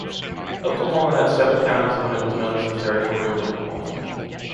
Oklahoma had seven counties when it was known as The Territory of Oklahoma.